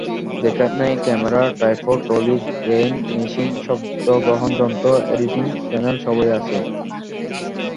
যেখানে camera, tripod, trolley, rain machine, শব্দগ্রহণ যন্ত্র, এডিটিং প্যানেল সবই আছে।